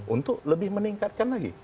untuk lebih meningkatkan lagi